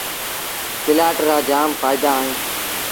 پلآٽ رآ جآم ڦآئيدآ اهيݩ۔